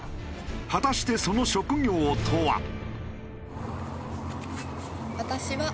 果たしてその職業とは？